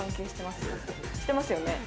してますよね？